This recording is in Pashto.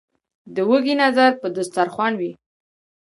ـ د وږي نظر په دستر خوان وي.